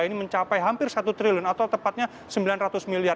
ini mencapai hampir satu triliun atau tepatnya sembilan ratus miliar